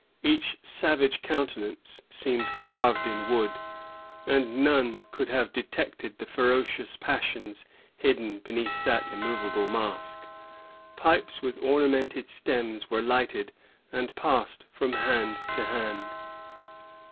Each savage countenance seemed carved in wood, and none could have detected the ferocious passions hidden beneath that immovable mask. Pipes with ornamented stems were lighted, and passed from hand to hand.